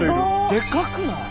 でかくない？